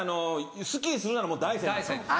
スキーするならもう大山なんですよ。